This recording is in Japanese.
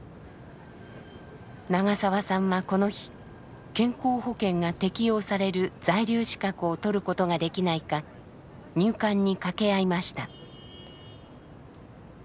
長澤さんはこの日健康保険が適用される在留資格を取ることができないか入管に掛け合いました。